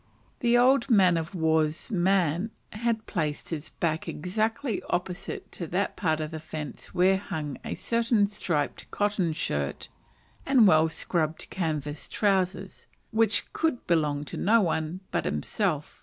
The old man of war's man had placed his back exactly opposite to that part of the fence where hung a certain striped cotton shirt and well scrubbed canvas trowsers, which could belong to no one but himself.